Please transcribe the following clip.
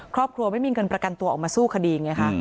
ครอบครัวไม่มีเงินประกันตัวออกมาสู้คดีไงคะ